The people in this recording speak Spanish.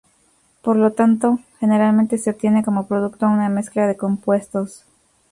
Por lo tanto, generalmente, se obtiene como producto una mezcla de compuestos.